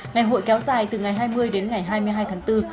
ngày hội kéo dài từ ngày hai mươi đến ngày hai mươi hai tháng bốn